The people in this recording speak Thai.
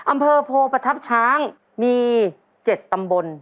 อำเภอโพพธัพช้างมี๗ตำบล